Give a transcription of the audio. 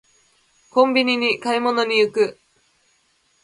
コンビニに買い物に行く